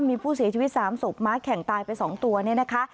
มีผู้เสียชีวิต๓ศพม้าแข่งตายไป๒ตัวเนี่ยนะคะ